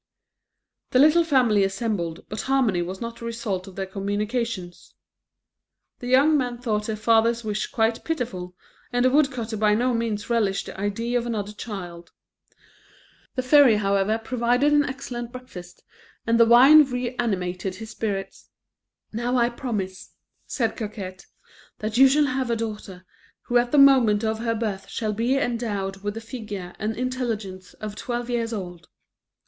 The little family assembled, but harmony was not the result of their communications. The young men thought their father's wish quite pitiful, and the woodcutter by no means relished the idea of another child. The fairy, however, provided an excellent breakfast, and the wine reanimated his spirits. "Now I promise," said Coquette, "that you shall have a daughter, who at the moment of her birth will be endowed with the figure and the intelligence of twelve years old.